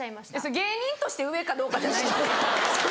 芸人として上かどうかじゃないんですよ。